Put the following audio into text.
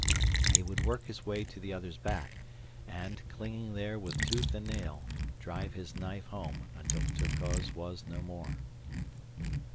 He would work his way to the other's back and, clinging there with tooth and nail, drive his knife home until Terkoz was no more.